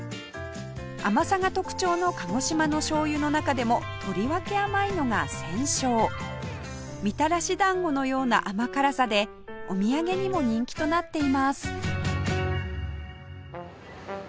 甘さが特徴の鹿児島の醤油の中でもとりわけ甘いのが専醤みたらし団子のような甘辛さでお土産にも人気となっています